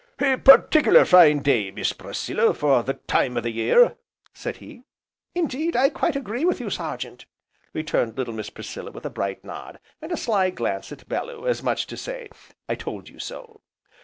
"A particular fine day, Miss Priscilla, for the time o' the year," said he. "Indeed I quite agree with you Sergeant," returned little Miss Priscilla with a bright nod, and a sly glance at Bellew, as much as to say, "I told you so!"